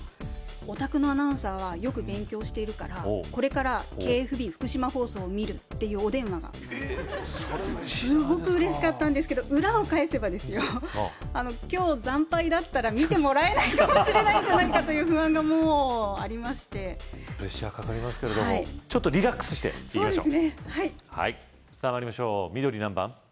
「おたくのアナウンサーはよく勉強しているからこれからＫＦＢ福島放送を見る」っていうお電話がすごくうれしかったんですけど裏を返せばですよ今日惨敗だったら見てもらえないかもしれないんじゃないかという不安がありましてプレッシャーかかりますけれどもちょっとリラックスしていきましょうさぁ参りましょう緑何番？